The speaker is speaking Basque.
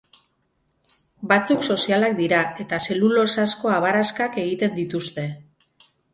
Batzuk sozialak dira eta zelulosazko abaraskak egiten dituzte.